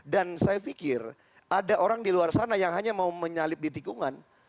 dan saya pikir ada orang di luar sana yang hanya mau menyalip di tikungan